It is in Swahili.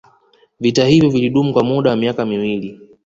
Vita hivyo vilidumu kwa muda wa miaka miwili